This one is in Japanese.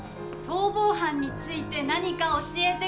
逃亡犯について何か教えて下さい。